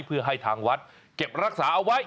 เพื่อให้ทางวัดเก็บรักษาเอาไว้